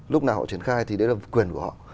lúc nào họ triển khai thì đấy là quyền của họ